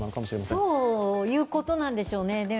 そういうことなんでしょうね。